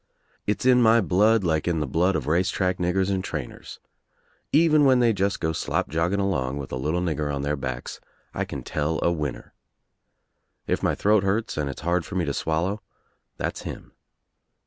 It's in my blood like in the blood of race track niggers and trainers. Even when they just go slop jogging along with a little nigger on their backs I can tell a winner. If my throat hurts and It's hard for me to swallow, that's him.